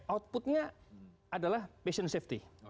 outputnya adalah patient safety